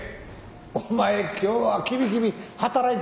お前今日はきびきび働いてるな。